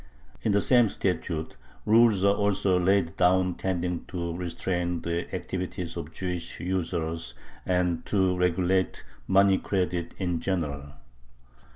In the same statute rules are also laid down tending to restrain the activities of Jewish usurers and to regulate money credit in general.